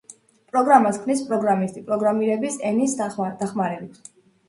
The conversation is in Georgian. პროგრამას ქმნის პროგრამისტი პროგრამირების ენის დახმარებით.